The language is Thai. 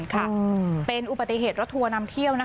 ค่ะเป็นอุบัติเหตุรถทัวร์นำเที่ยว